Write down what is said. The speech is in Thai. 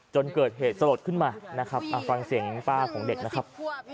จนเกิดเหตุสลดขึ้นมานะครับฟังเสียงป้าของเด็กนะครับ